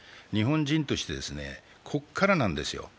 日本人として、ここからなんですよ